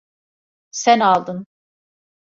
Sen aldın.